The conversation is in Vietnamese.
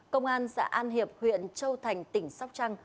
công an xã an hiệp huyện châu thành tỉnh sóc trăng